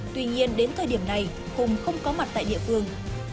tuy nhiên đến thời điểm này hùng không có mặt tại địa phương